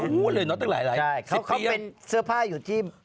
เขาเป็นเสื้อผ้าอยู่ที่บริษัท